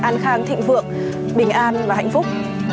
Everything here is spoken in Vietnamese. an khang thịnh vượng bình an và hạnh phúc